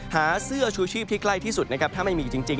หาเสื้อชูชีพที่ใกล้ที่สุดนะครับถ้าไม่มีจริง